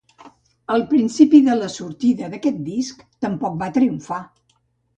Al principi de la sortida d'aquest disc tampoc va triomfar.